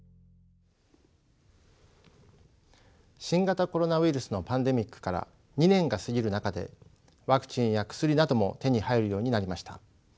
新型コロナウイルスのパンデミックから２年が過ぎる中でワクチンや薬なども手に入るようになりました。